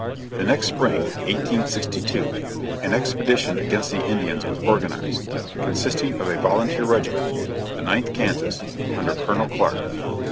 The next spring, 1862, an expedition against the Indians was organized, consisting of a volunteer regiment, the Ninth Kansas, under Colonel Clark.